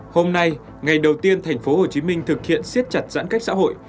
hôm nay ngày đầu tiên thành phố hồ chí minh thực hiện siết chặt giãn cách xã hội